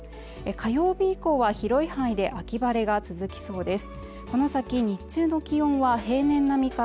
火曜日以降は広い範囲で秋晴れが続きそうです